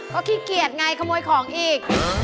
ก็ขี้เกียจไงขโมยของอีก